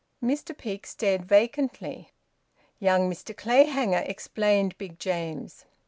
Mr Peake stared vacantly. "Young Mr Clayhanger," explained Big James.